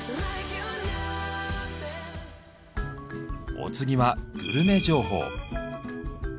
お次はグルメ情報。